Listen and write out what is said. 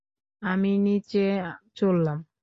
আমি নিচে চললাম।